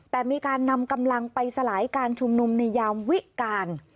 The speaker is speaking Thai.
แต่มีการนำกำลังไปสลายการชุมนุมในยามวิการ